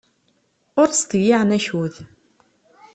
Ur ttḍeyyiɛen akud.